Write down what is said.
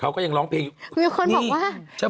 เขาก็ยังร้องเพลงอยู่มีคนบอกว่า